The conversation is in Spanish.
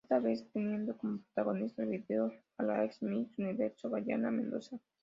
Esta vez teniendo como protagonista del video, a la Ex Miss Universo Dayana Mendoza.